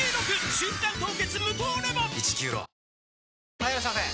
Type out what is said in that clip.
・はいいらっしゃいませ！